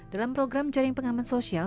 dalam program jaring pengaman sosial